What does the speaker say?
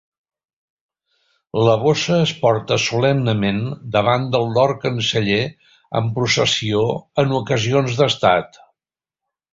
La bossa es porta solemnement davant del Lord canceller en processió en ocasions d'estat.